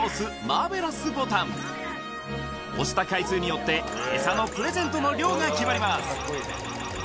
マーベラスボタン押した回数によってエサのプレゼントの量が決まります